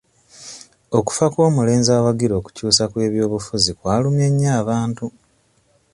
Okufa kw'omulenzi awagira okukyusa kw'ebyobufuzi kwalumye nnyo abantu.